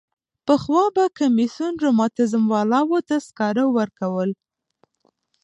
پخوا به کمیسیون رماتیزم والاوو ته سکاره ورکول.